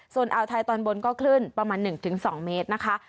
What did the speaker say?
โซนอาวไทยตอนบนก็ขึ้นประมาณ๑๒เมตรนะคะ